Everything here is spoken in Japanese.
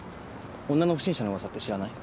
女の不審者のウワサって知らない？